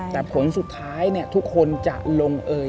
แต่ผลสุดท้ายทุกคนจะลงเอย